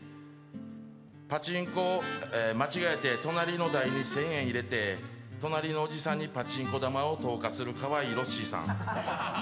パチンコ、間違えて隣の台に１０００円入れて、パチンコ玉を隣のおじさんに投下するかわいいロッシーさん。